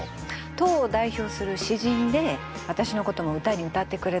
唐を代表する詩人で私のことも詩に歌ってくれたの。